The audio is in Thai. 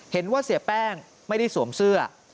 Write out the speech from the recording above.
เห็นว่าเสียแป้งไม่ได้สวมเสื้อ